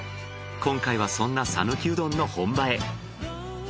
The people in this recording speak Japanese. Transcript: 今回はそんな讃岐うどんの本場へ。